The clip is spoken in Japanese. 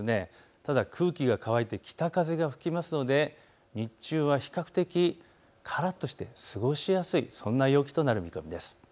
ただ空気が乾いて北風が吹きますので日中は比較的からっとして過ごしやすい、そんな陽気となる見込みです。